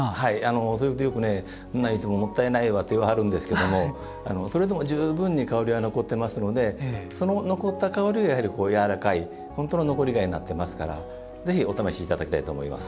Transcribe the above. それでよくいつも、もったいないわと言わはるんですけど、それでも十分に香りは残ってるのでその香りはやわらかい本当の香炉になってるのでぜひ、お試しいただきたいと思います。